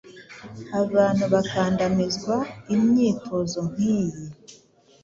Abantu bakandamizwa Imyitozo nkiyi